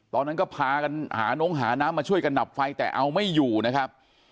ตอนนั้นก็พากันหาน้องหาน้ำมาช่วยกันดับไฟแต่เอาไม่อยู่นะครับ